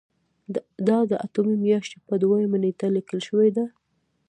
دا د اتمې میاشتې په دویمه نیټه لیکل شوې ده.